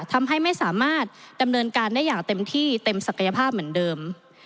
ทำให้ไม่สามารถดำเนินการได้อย่างเต็มที่เต็มศักยภาพเหมือนเดิม